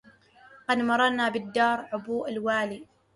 قد مررنا بدار عبو الوالي